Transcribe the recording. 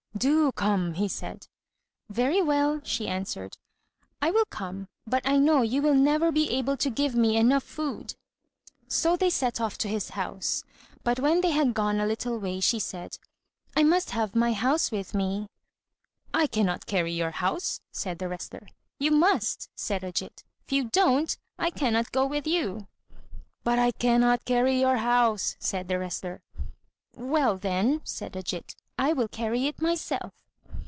"Do come," he said. "Very well," she answered, "I will come; but I know you will never be able to give me enough food." So they set off to his house. But when they had gone a little way, she said, "I must have my house with me." "I cannot carry your house," said the wrestler. "You must," said Ajít, "if you don't, I cannot go with you." "But I cannot carry your house," said the wrestler. "Well, then," said Ajít, "I will carry it myself."